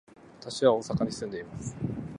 私は大阪に住んでいます。